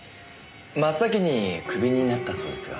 真っ先にクビになったそうですが。